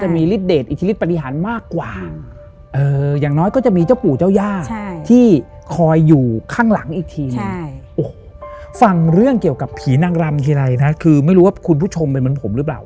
ผีนังรำคืออะไรนะคือไม่รู้ว่าคุณผู้ชมเป็นเหมือนผมหรือเปล่า